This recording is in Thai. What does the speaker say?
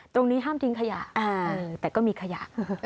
ตรงนี้ห้ามทิ้งขยะแต่ก็มีขยะ